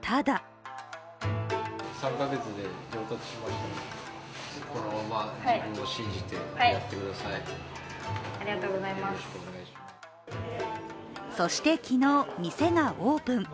ただそして昨日、店がオープン。